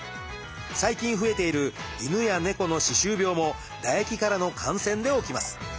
最近増えている犬や猫の歯周病も唾液からの感染で起きます。